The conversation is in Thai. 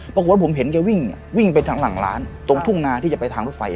ปรากฏว่าผมเห็นแกวิ่งวิ่งไปทางหลังร้านตรงทุ่งนาที่จะไปทางรถไฟ